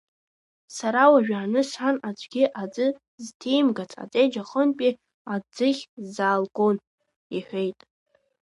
Сара уажәааны сан аӡәгьы аӡы зҭимгац аҵеџь аҟынтәи аӡыхь сзаалгон, — иҳәеит.